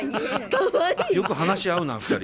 よく話合うな２人。